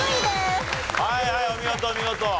はいはいお見事お見事。